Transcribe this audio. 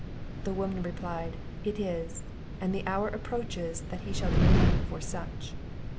The woman replied, "It is; and the hour approaches that he shall be known for such."